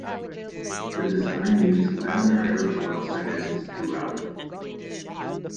The design used laminar airfoil sections throughout.